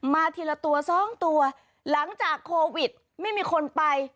ทีละตัวสองตัวหลังจากโควิดไม่มีคนไป